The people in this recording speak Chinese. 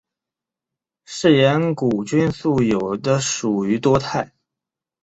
嗜盐古菌素有的属于多肽。